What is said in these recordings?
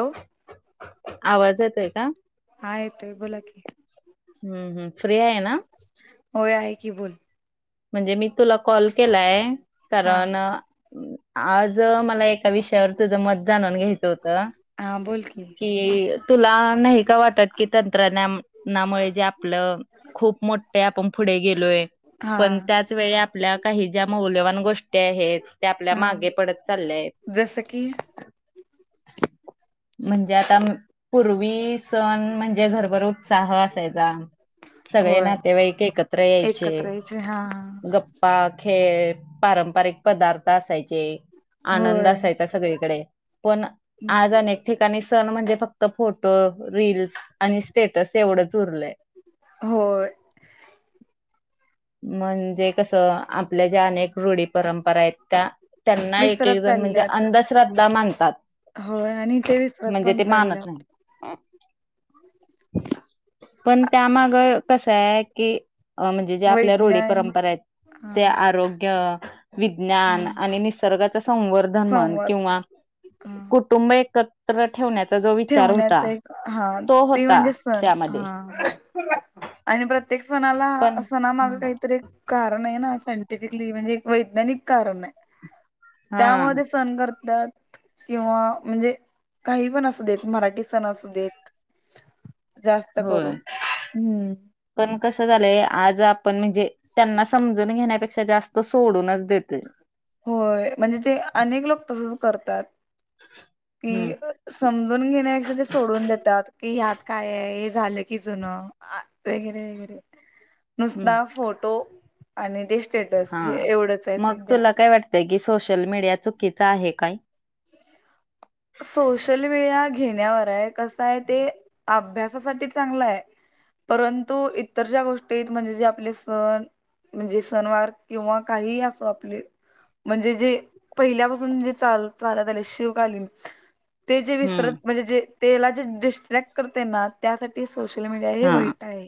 Hello आवाज येतोय का हा येतोय बोल हम्म हम्म फ्री हाय ना होय आहे की बोल म्हणजे मी तुला कॉल केलाय हा कारण आज मला एक विषयावर तुझ मत जाणून घ्यायचं होतं हा बोल की कि तुला नाही का वाटत की तंत्रज्ञानामुळे जे आपलं खूप मोठे आपण पुढे गेलोय हा पण त्याच वेळी आपल्या काही ज्या मौल्यवान गोष्टी आहेत ते आपल्या हा मागे पडत चालले आहेत जसं की म्हणजे आता पूर्वी सण म्हणजे घरभर उत्साह असायचा सगळे होय नातेवाईक एकत्र यायचे एकत्र हा खे पारंपारिक पदार्थ असायचे आनंद होय असायचा सगळीकडे पण आज हम्म अनेक ठिक णी सण म्हणजे फक्त फोटो रीलस आणि स्टेटस एवढंच उरलंय हो म्हणजे कसं आपल्या ज्या अनेक रूढी परंपरा आहेत त्या त्यांना एक एक विसरत जण म्हणजे अंधश्रद्धा मानतात हो आणि ते [unintelligible] पण अ पण त्यामाग कसय की अ म्हणजे जे आपल्या रूढी वैज्ञान हा परंपरेचे आरोग्य विज्ञान हम्म आणि निसर्गाच संवर्धन म्हण संवाद किंवा कुटुंब एकत ठेवण्याच एक हा तो ते होता म्हणजे सण त्यामध्ये हा आणि प्रत्येक सणाला पण सणा मागं काही काहीतरी कारण आहे ना सायंटिफिकली म्हणजे वैानिक कारण हा त्यामुळे ते सण करतात किंवा म्हणजे काही पण असू देत मराठी सण असू देत. जास्त होय करून हम्म. पण कस झालंय आज आपण म्हणजे त्यांना समजून घेण्यापेक्षा जास्त तो सोडूनच देतेय. होय म्हणजे ते अनेक लोक तसच करतात हम्म कि समजून घेण्यापक्षा ते सोडून देतात की या्यात काय आहे हे झालं की जुनं. ह वगैरे वगैरे [inaudible] नुसता फोटो आणि ते स्टेटस हे एवढंच आहे सध्या. कसं हाय की सोशल मीडिया चुकीच आहे काय सोशल मीडिया घेण्यावर आहे कस आहे ते. अभ्यासासाठी चांगलं आहे. परंतु इतर ज्या गोष्टीत म्हणजे जे आपले सण म्हणजे सनवार किंवा काहीही असो आपले म्हणजे जे पहिल्यापासून जे चालू महाराज आले शिवकालीन ते जे विसरत हम्म म्हणजे जे तेला जे डिस्ट्रॅक्ट करते ना त्यासाठी सोशल मीडिया हे हा वाईट आहे.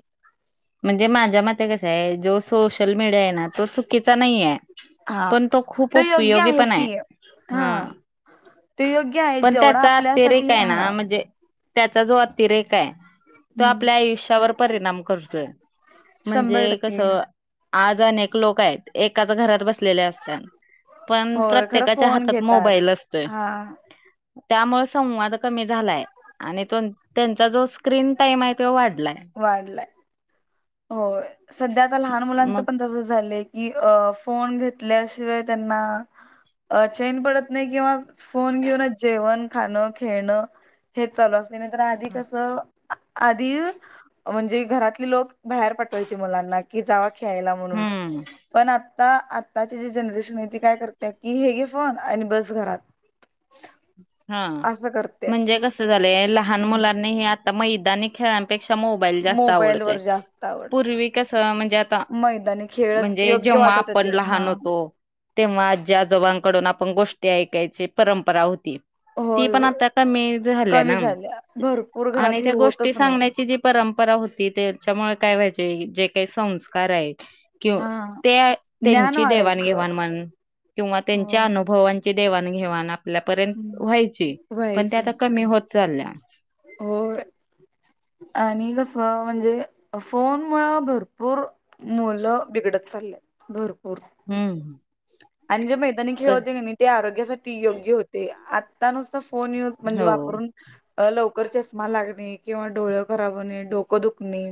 म्हणजे माझ्या मते कस आहे जो सोशल मीडिया आहे ना तो चुकीचा नाही आहे. हा पण तो खूप ते योग्य उपयोगी पण आहे की हा ह. ते योग्य आहे पण जेवढा त्याचा अतिरेक आपल्यासाठी काय हा ना म्हणजे त्याचा जो अतिरेक आहे तो हम्म आपल्या आयुष्यावर परिणाम करतो. म्हणजे शंभर कस टक्के आज अनेक लोक आहेत एकाच घरात बसलेले असत पण होय खरं प्रत्येकाच्या फोन हातात घेतात मोबाईल असतेय. हा त्यामुळे संवाद कमी झालाय. आणि तो त्यांचा जो स्क्रीन टाइम आहे तो वाढलाय. वाढलाय हो सध्या आता लहान मुलांच मग पण तसं झालं कि अ फोन घेतल्याशिवाय त्यांना अ चेन पडत नाही किंवा फोन घेऊनच जेवण खाणं खेळणं हेच चालू असले नंतर आधी कसं आ आधी म्हणजे घरातले लोक बाहेर पाठवायची मुलांना कि जावा ख्यायला म्हणून हम्म पण आता आताची जी जनरेशन आहे ती काय करते की हे घे फोन आणि बस घरात. हा असं करते म्हणजे कस झालं लहान हम्म. मुलांनी हे आता मैदानी खेळ पेक्षा मोबाईल जास्त मोबाईल वर आवडतोय पूर्वी कस म्हणजे आता मैदानीने खेळ म्हणजे जेव्हा आपण लहान होतो. तेव्हा आजी आजोबा कडून आपण गोष्टी ऐकायची परंपरा होती. ती होय पण होय आता कमी झाली कमी ना झाल्या भरपूर आणि घरात हे त्या गोष्टी होतच नाही सांगण्याची जी परंपरा होती त्याच्यामुळे काय व्हायजे जे काही संस्कार आहे. कि हा ते ज्ञान त्यांची वाढायचं देवाणघेवाण म्हण किंवा अ त्यांच्या हम्म अनुभव ची वाण घेवाण आपल्यापर्यंत व्हायची पण व्हायचे आता कमी होत चालल्या. हो. आणि कस म्हणजे फोन मुळ भरपूर मुलं बिघडत चाल्यात भरपूर. हम्म ह आणि जे मैदानी खेळवते का मी ते आरोग्यासाठी योग्य होते आता नुस फोन यज म्हणजे हो वापून अ लवकर चष्मा लागणे किंवा डोळे खराब होणे डोकं दुखणे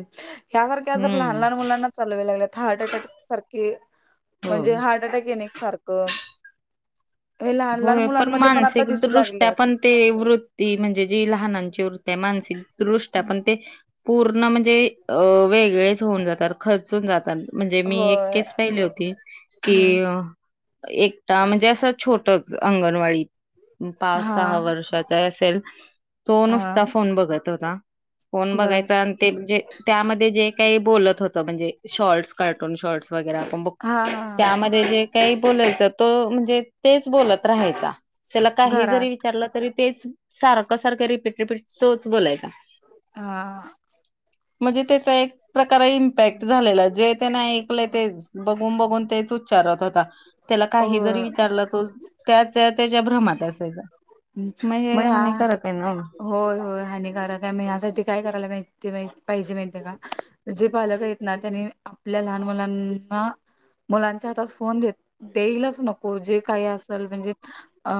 ह्यासारख्या जर लहान हम्म लहान मुलांना चालवे्या लागल्या तर हार्ट अटॅक सारखे हो म्हणजे हार्ट अ सारख लहान लहान होय मुलांमध्ये पण आता दिसू मानसिकदृष्ट्या लागल्यात पण ते वृत्ती म्हणजे जी लहानांची वृत्ती आहे मानसिक दृष्ट आहे पण ते पूर्ण म्हणजे वेगळेच होऊन जातात खर्चून जातात म्हणजे मी एक होय केस पाहिली होती की हम्म एकटा म्हणजे असं छोटच अंगणवाडीत पाच सहा हा वर्षाचा असेल तो हा नुसता फोन बघत होता फोन बर बघायचा आणि ते म्हणजे त्यामध्ये जे काही बोलत होतं म्हणजे शॉर्ट्स कार्टून शॉर्ट्स वगैरे आपण बघ हा हा त्यामध्ये जे काही बोलायचं तो म्हणजे तेच बोलत राहायच त्याला काही घरात जरी विचारलं तरी तेच सारखं सारखं रिपीट रिपीट तोच बोलायचा हा म्हणजे त्याचा एक प्रकार ॅक्ट झालेला जे ते नाही ऐकले ते बघून बघून तेच उच्चारत होता त्याला काही जरी होय विचारलं त्याच त्याच्या भ्रमात असायचा मग हे हानिकारक आहे ना होय होय हानिकारक आहे म ह्यासाठी काय करायला माहिती मा पाहिजे माहिती आहे का जे पालक आहेत ना त्यांनी आपल्या लहान मुलांना मुलांच्या हातात फोन देत देईलच नको जे काही असेल म्हणजे अ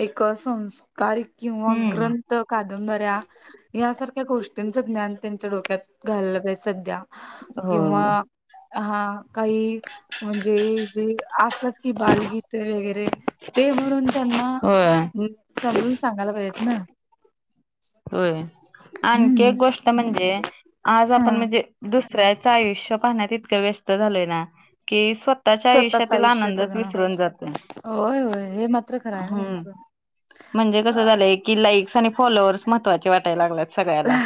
एक असस्कार किंवा हम्म ग्रंथ कादंबऱ्या यासारख्या गोष्टींचं ज्ञान त्यांच्या डोक्यात घाललं पाज सध्या हो किंवा हा काही म्हणजे जे कि बालगीत वगैरे ते म्हणून त्यांना होय. समजून सांगायला पाहिजेत ना होय आणखी एक हम्म गोष्ट म्हणजे आज हा आपण म्हणजे दुसऱ्याचं आयुष्य पाहण्यात ततकं व्यस्त झालोय ना के स्व स्तःच्या स्वतःच आयुष्यातीलला आयुष्य आनंदच जगणं विसरून जातो होय होय हे मात्र खरं आहे हम् तुमचं म्हणजे कसं झालंय की लाईक्स आणि फॉलोअर्स महत्त्वाचे वाटायला लागल्यात सगळ्याला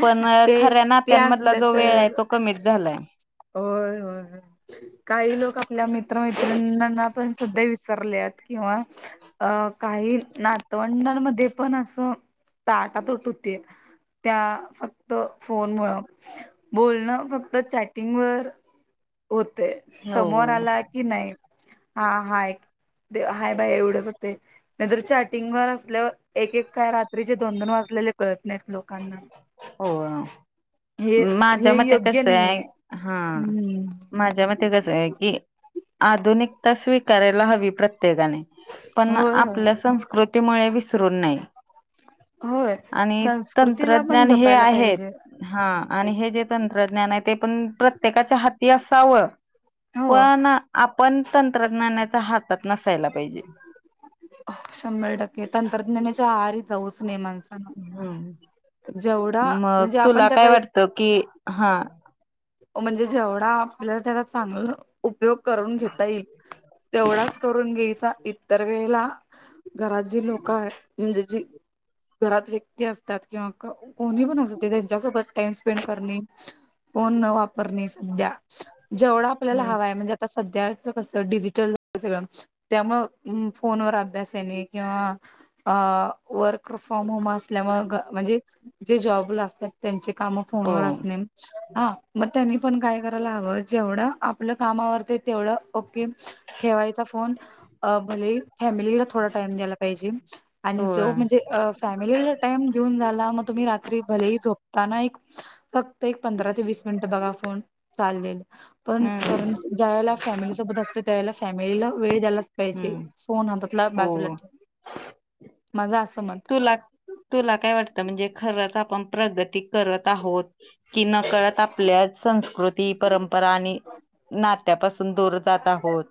पण ते खऱ्या ते नात्यांमधला असलं जो वेळ आहे तर तो कमीच झालाय होय होय काही लोक आपल्या मित्र मैित्रिना पण सध्या विसरलेत किंवा अ काही नातवंडांमध्ये पण असं ताट तोट होते त्या फक्त फोन मु बोलणं फक्त चॅ िंग वर होते समोर हो आला की नाही हा हा एक ते हाय बाय एवढंच हो ते नाहीतर चॅटिंग वर असल्यावर एक एक काय रात्रीचे दोन दोन वाजलेले कळत लोकांना हो हे माझ्या हे मते योग्य कसं आहे नाहीय हा माझ्या मते कस आहे कि आधुनिकता स्वीकारायला हवी प्रत्येकाने पण होय होय आपल्या संस्कृतीमुळे विसरून नाही होय आणि संस् तंत्रज्ञान हे आहेत हा आणि हे जे तंत्रज्ञान आहे ते पण प्रत्येकाच्या हाती असावं. हो पण आपण तंत्रज्ञानाच्या हातात नसायला पाहिजे. शंभर टक्के तंत्रज्ञानाच्या आरी जाऊचनेमाांचां हम्म. जेवढा म्हणजे आपण त्या काही तो कि हा. म्हणजे जेवढा आपल्याला त्याला चांगलं उपयोग करून घेता येईल, तेवढाच करून घ्यायचा इत वेळेला, घरात जी लोक म्हणजे जी घरात व्यक्ती असतात किंवा कोणी पण असूदे त्यांच्यासोबत टाइम स्पेंड करणे फोन न वापरणे [unintelligible] जेवढं आपल्याला हम्म. हवंय आता सध्याच कस डिजिटल सगळं. त्यामुळं फोनवर अभ्यास येणे किंवा अ वर्क फ्रॉम होम असल्यामुळे म्हणजे जे जॉब ला असतात त्यांची कामं हो. फोनवर असणे हा. मग त्यांनी पण काय करायला हवं जेवढं आपलं कामावरते तेवढं ओके ठेवायचा फोन. [unintelligible] फॅमिलीला थोड टाईम द्यायला पाहिजे आणि जो होय. म्हणजे फॅमिलीला टाइम देऊन जाला मग तुम्ही रात्री भलेही झोपताना एक फक्त एक पंधरा ते वीस मिनिट बघा फोन चाललेल. पण हम्म परंतु ज्या वेळेला फॅमिली सोबत असतो त्यावेेळेला फॅमिलीला वेळ द्यायलाच पाहिजे. हम्म फोन हातातला बाजूला हो ठेवून, माझं असं मत तुला, तुला काय वाटतं म्हणजे खरंच आपण प्रगती करत आहोत‌. कि नकळत आपल्या संस्कृती परंपरा आणि नात्यापासून दूर जात आहोत.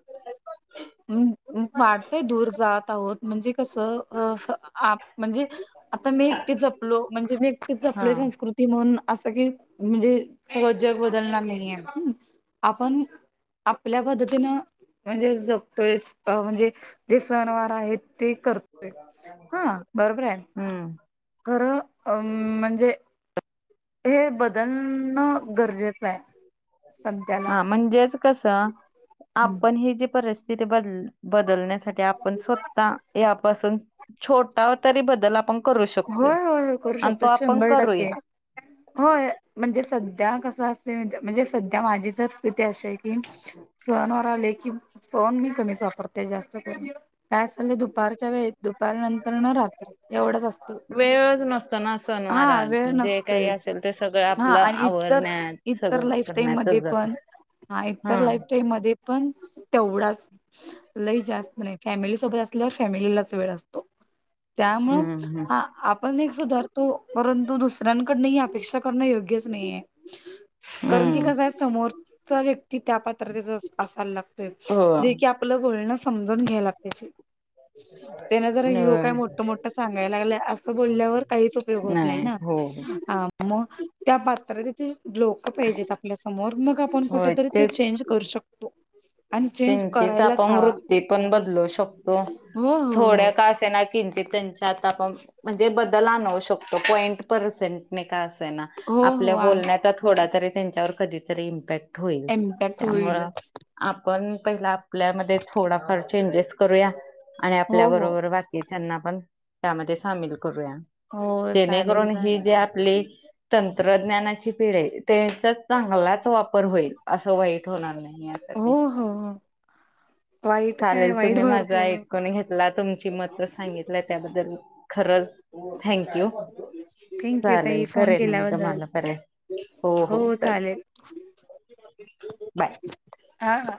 वाढते दूर जात आहोत म्हणजे कसं अ आप म्हणजे आता मी एकटे जपलो म्हणजे मी एकटच हा जपलो संस्कृती ती म्हणून असं कि म्हणजे [unintelligible] जग बदलणार नाही आहेे आपण आपल्या पद्धतीनं, म्हणजे जपतोयच म्हणजे जे सणवार आहेत. ते करतोय हा बरोबर आहे, हम्म. खरं अ म्हणजे हे बदलणं गरजेचं आहे, संत्याला. हा म्हणजेच कस आपण हे जे परि तिथे बदल बदलण्यासाठी आपण स्वत यापासून छोटा तरी बदल आपण करू शकतोय होय होय होय करू आणि तो शकतो आपण शंभर करूया. टक्के होय म्हणजे सध्या कसं असते म्हणजे सध्या माझी त तिथ अशा आहे की, सहणवार आले की सहण मी कमीच वापरते जास्त करून. काय [unintelligible] दुपारच्या वेळ दुपार नंतर न रात्री एवढंच असत. वेळच नसताना सणवारा वेळ जे काही नसतोयच असेल ते सगळं हा आपलं आणि इतर आवरण्यात इतर सगळं लाईफटाईम मध्ये करण्यातच जात पण, हा इतर लाईफ टाईम मध्ये पण तेवढाच लई जास्त नाही फॅमिली सोबत असल्यावर फॅमिलीलाच वेळ असतो, त्यामुं हम्म हम् आपण एक सुधारतो परंतु दुसऱ्यांकडन ही अपेक्षा करणं योग्यच नाहीये. कारण कि हम्म कस आहे समोरचा व्यक्ती त्या पात्रतेचा असायला लागत. हो अ जे की आपलं बोलणं समजून घ्यायला पाहिजे. त्यान जर यो काय मोठ-मोठ सांग [unintelligible] असं बोलल्यावर काहीच उपयोग होत नाही ना. हो हो मग त्या पात्रात [unintelligible] लोक पाहिजेत आपल्यासमोर मग आपण होय कुठेतरी ते तेच चेंज करू शकतो. आणि चेंज त्यांचीच करायलाच आपण हवा वृत्ती पण बदलू शकतो, हो हो थोड्या का त्यांना किंचित त्यांच्या [unintelligible] म्हणजे बदल आणू शकतो पॉईंट पर्सेंट. का असं ना हो आपल्या हो हो बोलण्याचा थोडा तरी त्यांच्यावर कधीतरी इम्पॅक्ट होईल, इम्पॅक्ट त्यामुळं होईलच आपण पहि आपल्यामध्ये थोडाफार चेंजेस करूया आणि आपल्या हो हो. बरोबर ना पण त्यामध्ये सामील करूया हो चालेल जेणेकरून ही चालेल. जे आपली तंत्रज्ञानाची पिढी [unintelligible] ते [unintelligible] चांगलाच वापर होईल असं वाईट होणार नाही यासाठी हो हो वाईट काय चालेल वाईट तुम्ही माझा भरपूर. ऐकून घेत तुमची मतं सांगितली त्याबद्दल खरंच थँक्यू थँक्यू ताई चालेल फोन करेन मी केल्याबद्दल तम्हाला परत हो हो चालेल बाय हा हा